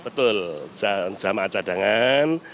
betul jamaah cadangan